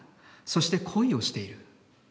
そして恋をしている。